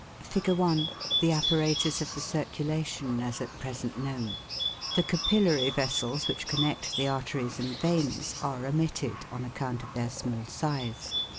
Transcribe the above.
Fig. 1. The apparatus of the circulation, as at present known. The capillary vessels, which connect the arteries and veins, are omitted, on account of their small size.